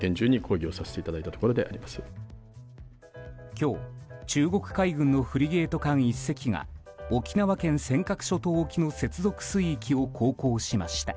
今日、中国海軍のフリゲート艦１隻が沖縄県尖閣諸島沖の接続水域を航行しました。